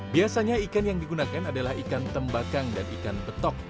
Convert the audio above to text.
biasanya ikan yang digunakan adalah ikan tembakang dan ikan betok